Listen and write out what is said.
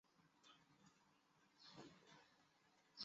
斑脊冠网蝽为网蝽科冠网蝽属下的一个种。